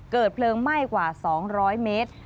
เกิดเพลิงไหม้กว่า๒๐๐เมตร